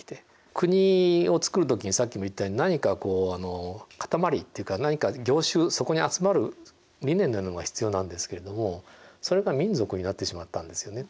国をつくる時にさっきも言ったように何かこう固まりというか何か凝集そこに集まる理念などが必要なんですけれどもそれが民族になってしまったんですよね。